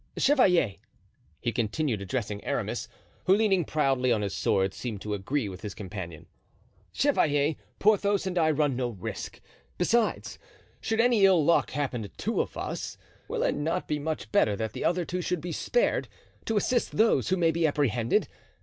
Chevalier," he continued, addressing Aramis, who, leaning proudly on his sword, seemed to agree with his companion, "Chevalier, Porthos and I run no risk; besides, should any ill luck happen to two of us, will it not be much better that the other two should be spared to assist those who may be apprehended?